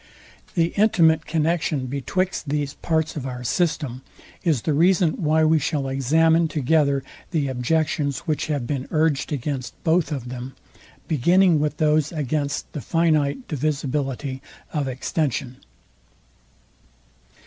The intimate connexion betwixt these parts of our system is the reason why we shall examine together the objections, which have been urged against both of them, beginning with those against the finite divisibility of extension.